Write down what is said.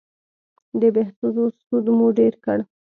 د بهسودو سود مو ډېر کړ